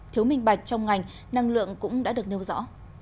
thiếu minh bạch trong ngành năng lượng cũng đã được nêu rõ